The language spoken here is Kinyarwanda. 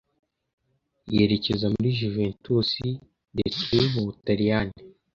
yerekeza muri Juventus de Turin mu Butaliyani